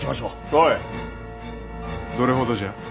おいどれほどじゃ。